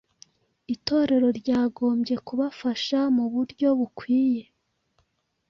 Itorero ryagombye kubafasha mu buryo bukwiye.